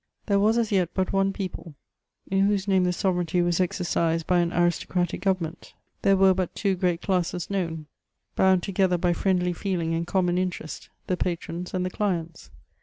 There was as yet but one people^ in whose name the soverdgnty was exercised by an aristocratic goremment ; there were but two great classes known, bound together bj' friendly feeEng and common interest, the patrons and the dieiits.